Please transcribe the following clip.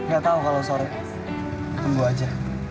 gak tau kalau sore tunggu aja